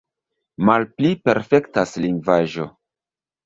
Malpli perfektas lingvaĵo.